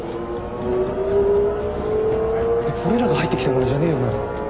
俺らが入って来たからじゃねえよな？